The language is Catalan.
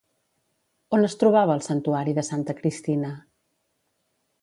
On es trobava el Santuari de Santa Cristina?